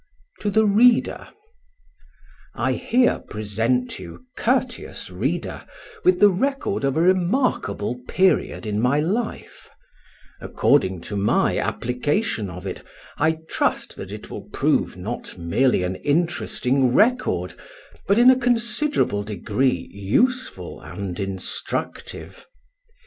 TO THE READER I here present you, courteous reader, with the record of a remarkable period in my life: according to my application of it, I trust that it will prove not merely an interesting record, but in a considerable degree useful and instructive.